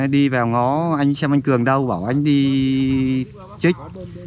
đi vào ngõ anh xem anh cường đâu bảo anh đi trích